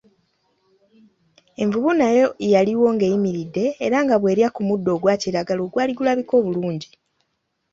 Envubu nayo yaliwo ng'eyimiridde era nga bw'erya ku muddo ogwa kiragala ogwali gulabika obulungi.